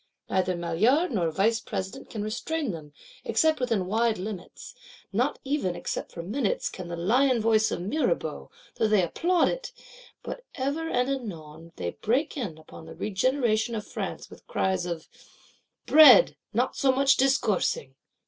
Neither Maillard nor Vice President can restrain them, except within wide limits; not even, except for minutes, can the lion voice of Mirabeau, though they applaud it: but ever and anon they break in upon the regeneration of France with cries of: 'Bread; not so much discoursing!